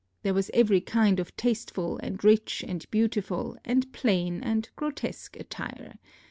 There was every kind of tasteful and rich and beautiful and plain and grotesque attire.